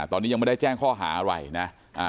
ตอนนี้ยังไม่ได้แจ้งข้อหาอะไรนะ